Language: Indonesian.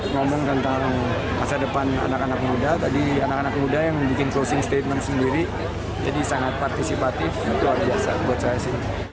ngomong tentang masa depan anak anak muda tadi anak anak muda yang bikin closing statement sendiri jadi sangat partisipatif luar biasa buat saya sih